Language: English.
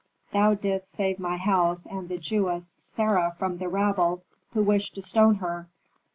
"Thou didst save my house and the Jewess Sarah from the rabble who wished to stone her."